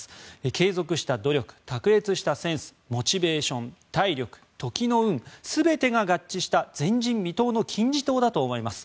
継続した努力、卓越したセンスモチベーション、体力、時の運全てが合致した前人未到の金字塔だと思います。